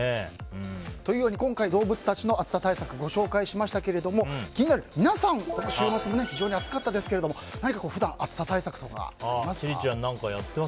今回、動物たちの暑さ対策をご紹介しましたけれども気になる、皆さん、週末非常に暑かったですけれども何か普段、暑さ対策とか千里ちゃん